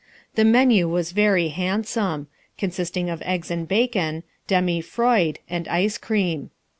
The menu was very handsome, consisting of eggs and bacon, demi froid, and ice cream.